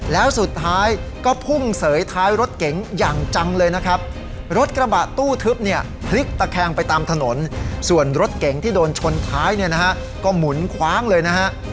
แล้วสุดท้ายก็พุ่งเสยท้ายรถเก๋งอย่างจังเลยนะครับรถกระบะตู้ทึบเนี่ยพลิกตะแคงไปตามถนนส่วนรถเก๋งที่โดนชนท้ายเนี่ยนะฮะก็หมุนคว้างเลยนะฮะ